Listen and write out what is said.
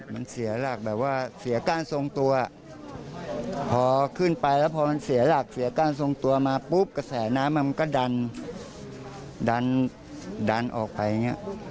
มันเสียหลักแบบว่าเสียก้านทรงตัวพอขึ้นไปแล้วพอมันเสียหลักเสียก้านทรงตัวมาปุ๊บกระแสน้ำมันก็ดันดันออกไปอย่างนี้